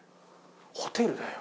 ホテルだよ。